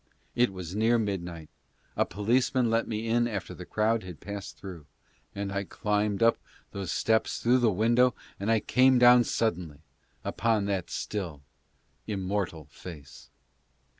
It was near midnight — a policeman let me in after the crowd had passed through — and I climbed up those steps through the window and came down suddenly upon that still, immortal face.